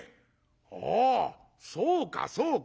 「ああそうかそうか。